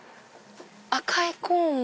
赤いコーンも。